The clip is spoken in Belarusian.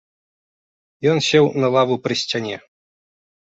Ён сеў на лаву пры сцяне.